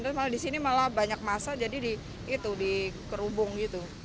terus malah di sini malah banyak masa jadi itu dikerubung gitu